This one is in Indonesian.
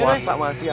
puasa mah si aja